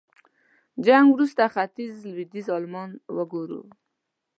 جنګ وروسته ختيځ لوېديځ المان وګورو.